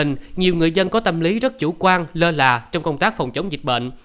nhiều người dân có tâm lý rất chủ quan lơ là trong công tác phòng chống dịch bệnh